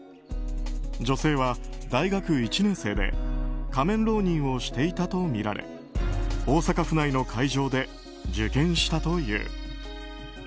女性は大学１年生で仮面浪人をしていたとみられ大阪府内の会場で受験したという。